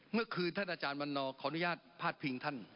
เมื่อคืนท่านอาจารย์วันนอร์ขออนุญาตพาดพิงท่าน